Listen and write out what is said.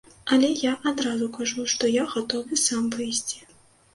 Але я адразу кажу, што я гатовы сам выйсці.